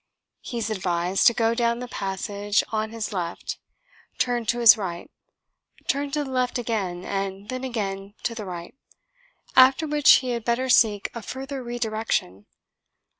He is advised to go down the passage on his left, turn to his right, turn to the left again and then again to the right after which he had better seek a further re direction.